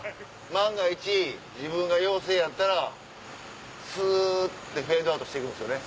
万が一自分が陽性やったらスってフェードアウトして行くんですよね